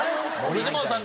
フジモンさん